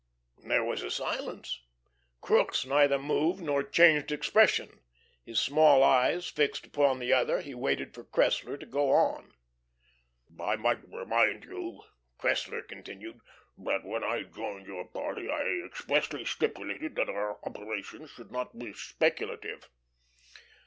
There was a silence. Crookes neither moved nor changed expression. His small eyes fixed upon the other, he waited for Cressler to go on. "I might remind you," Cressler continued, "that when I joined your party I expressly stipulated that our operations should not be speculative."